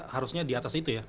harusnya di atas itu ya